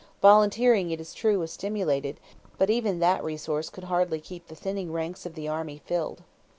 Volunteering, it is true, was stimulated, but even that resource could hardly keep the thinning ranks of the army filled.